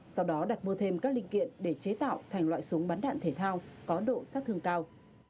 sau đó đặt mua thêm các linh kiện để chế tạo thành loại súng bắn đạn thể thao có độ sát thương cao